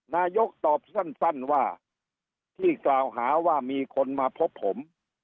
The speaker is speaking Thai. นายกตอบสั้นว่าที่กล่าวหาว่ามีคนมาพบผม